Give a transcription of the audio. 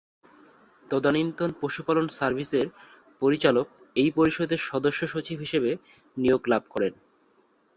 তদানীন্তন পশুপালন সার্ভিসের পরিচালক এই পরিষদের সদস্য সচিব হিসেবে নিয়োগ লাভ করেন।